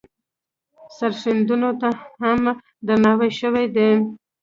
سرښندنو ته هم درناوی شوی دی.